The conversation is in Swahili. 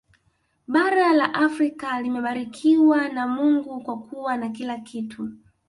Bara la Afrika limebarikiwa na Mungu kwa kuwa na kila kitu